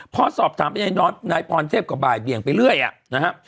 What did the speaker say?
พอสอบถามไปในน้อยน้อยนายพรเทพก็บ่ายเบียงไปเรื่อยน่ะ